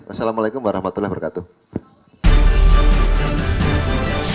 wassalamu'alaikum warahmatullahi wabarakatuh